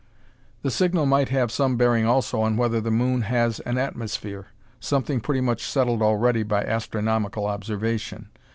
The signal might have some bearing also on whether the moon has an atmosphere something pretty much settled already by astronomical observation.